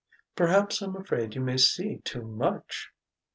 "Perhaps I'm afraid you may see too much...."